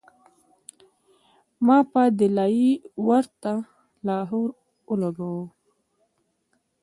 ما پۀ “دلائي” ورته لاهور او لګوو